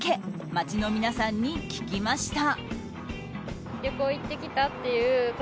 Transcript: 街の皆さんに聞きました。